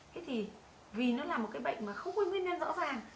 thế thì vì nó là một cái bệnh mà không có nguyên nhân rõ ràng